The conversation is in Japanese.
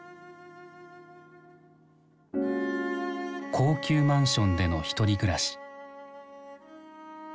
高級マンションでのひとり暮らし。